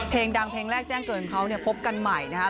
เพลงดังเพลงแรกแจ้งเกินเขาเนี่ยพบกันใหม่นะครับ